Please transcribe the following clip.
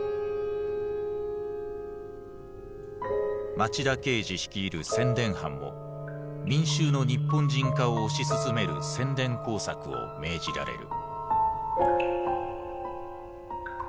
町田敬二率いる宣伝班も民衆の日本人化を推し進める宣伝工作を命じられる。